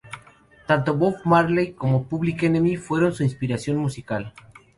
Tanto Bob Marley como Public Enemy fueron su inspiración musical principal.